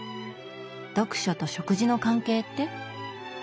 読書と食事の関係って？